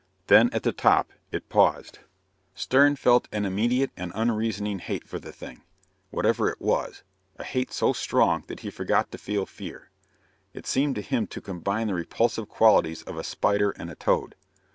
Then, at the top, it paused. Stern felt an immediate and unreasoning hate for the thing, whatever it was, a hate so strong that he forgot to feel fear. It seemed to him to combine the repulsive qualities of a spider and a toad.